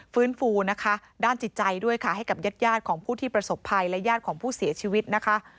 ฟื้นฟูนะคะด้านจิตใจด้วยค่ะให้กับญาติยาดของผู้ที่ประสบภัยและญาติของผู้เสียชีวิตนะคะ